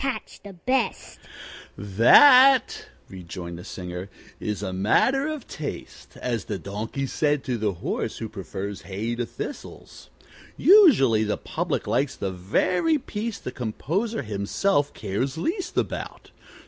"I like Sammy Patch the best," said she. "That," rejoined the singer, "is a matter of taste, as the donkey said to the horse who preferred hay to thistles. Usually the public likes best the very piece the composer himself cares least about.